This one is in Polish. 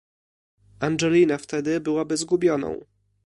"Angelina wtedy byłaby zgubioną."